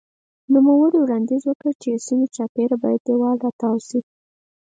نوموړي وړاندیز وکړ چې د سیمې چاپېره باید دېوال راتاو شي.